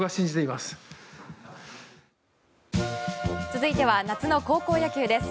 続いては夏の高校野球です。